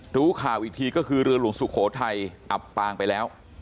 รู้ข่าวอีกทีก็คือเรือหลวงสุโขทัยอับปางไปแล้ว